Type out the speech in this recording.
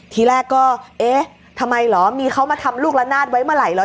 ทีแรกก็เอ๊ะทำไมเหรอมีเขามาทำลูกละนาดไว้เมื่อไหร่เหรอ